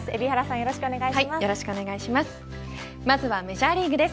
よろしくお願いします。